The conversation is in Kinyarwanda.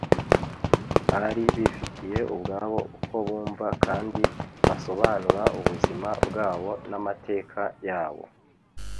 bari bifitiye ubwabo uko bumva kandi basobanura ubuzima bwabo n’amateka yabo